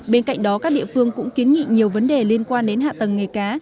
bên cạnh đó các địa phương cũng kiến nghị nhiều vấn đề liên quan đến hạ tầng nghề cá